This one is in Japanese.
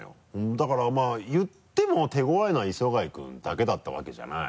だから言っても手ごわいのは磯貝君だけだったわけじゃない？